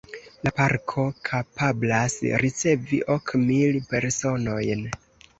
La Parko kapablas ricevi ok mil personojn.